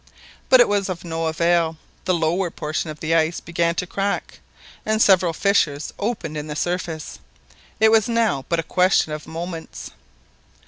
But it was all of no avail; the lower portion of the ice began to crack, and several fissures opened in the surface. It was now but a question of moments!